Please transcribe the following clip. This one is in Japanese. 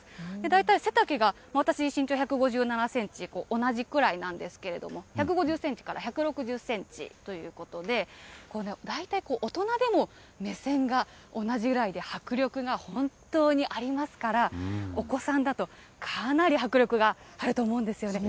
大体背丈が私、身長１５７センチ、同じくらいなんですけれども、１５０センチから１６０センチということで、大体大人でも目線が同じぐらいで、迫力が本当にありますから、お子さんだと、かなり迫力があると思うんですよね。